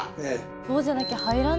そうじゃなきゃ入らないもん。